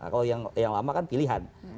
kalau yang lama kan pilihan